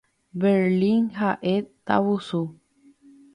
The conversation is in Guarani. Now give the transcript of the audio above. Berlín ha'e tavusu.